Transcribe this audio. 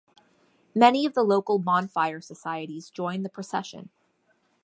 Many of the local bonfire societies join the procession.